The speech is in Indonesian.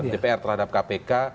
dpr terhadap kpk